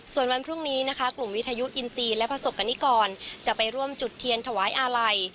ส่วนวันพรุ่งนี้นะคะกลุ่มวิทยุอินซีและประสบกรณิกรจะไปร่วมจุดเทียนถวายอาลัย